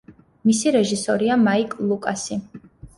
მისი რეჟისორია მაიკლ ლუკასი.